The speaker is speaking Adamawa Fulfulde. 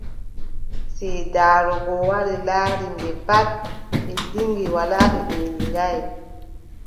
Siidaaru goo wari laari, nde pat ɓe liŋi walaa e ɓe liŋaay ;